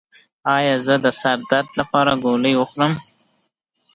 ایا زه د سر درد لپاره ګولۍ وخورم؟